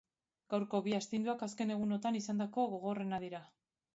Gaurko bi astinduak azken egunotan izandako gogorrenak dira.